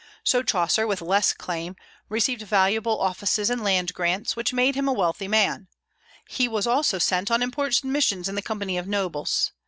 So Chaucer, with less claim, received valuable offices and land grants, which made him a wealthy man; and he was also sent on important missions in the company of nobles.